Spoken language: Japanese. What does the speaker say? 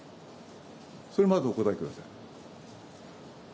それまずお答えください。